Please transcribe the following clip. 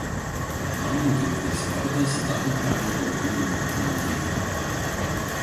Anglų genties vardas davė pradžią pavadinimui „Anglija“.